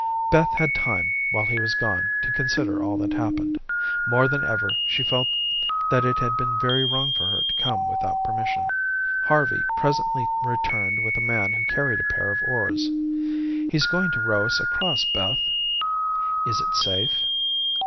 Beth had time, while he was gone, to consider all that had happened. More than ever, she felt that it had been very wrong for her to come without permission. Harvey presently returned with a man who carried a pair of oars. "He's going to row us across, Beth." "Is it safe?"